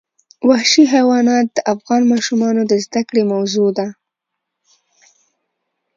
وحشي حیوانات د افغان ماشومانو د زده کړې موضوع ده.